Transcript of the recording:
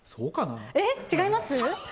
えっ、違います？